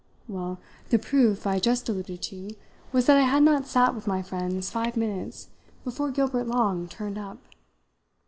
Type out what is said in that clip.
Well, the "proof" I just alluded to was that I had not sat with my friends five minutes before Gilbert Long turned up.